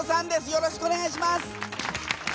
よろしくお願いします。